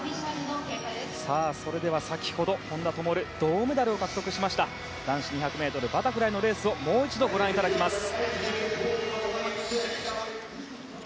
それでは先ほど本多灯が銅メダルを獲得しました男子２００ｍバタフライのレースをもう一度、ご覧いただきます。